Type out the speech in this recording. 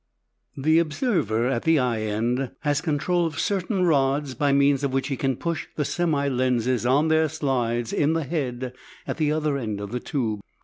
The observer at the eye end has control of certain rods by means of which he can push the semi lenses on their slides in the head at the other end of the tube.